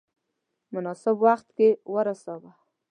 مناسب وخت کې ورساوه.